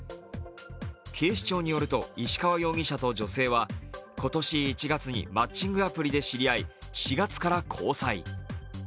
警視庁によると石川容疑者と女性は今年１月にマッチングアプリで知り合い、４月から交際。